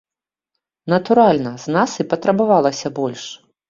Натуральна, з нас і патрабавалася больш.